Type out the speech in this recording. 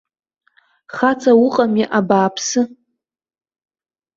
Хаҵа уҟами, абааԥсы!